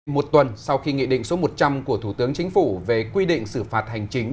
một tuần sau khi nghị định số một trăm linh của thủ tướng chính phủ về quy định xử phạt hành chính